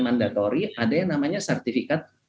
mandatori ada yang namanya sertifikat